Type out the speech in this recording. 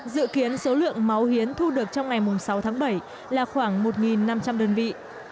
dự kiến số lượng máu hiến thu được trong ngày sáu tháng bảy là khoảng một năm trăm linh đơn vị